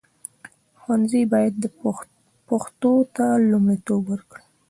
ښوونځي باید پښتو ته لومړیتوب ورکړي.